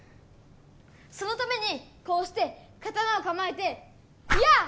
そのためにこうして刀をかまえてやあ！